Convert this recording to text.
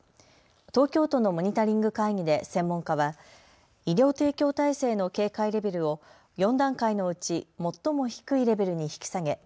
東京都のモニタリング会議で専門家は医療提供体制の警戒レベルを４段階のうち最も低いレベルに引き下げ